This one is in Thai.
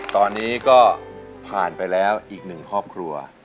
ตอนนี้ก็ผ่านไปแล้วอีกหนึ่งครอบครัว